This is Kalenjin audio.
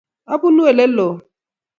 abunuu ele loo